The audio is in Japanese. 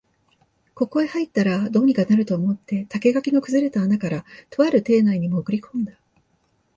ここへ入ったら、どうにかなると思って竹垣の崩れた穴から、とある邸内にもぐり込んだ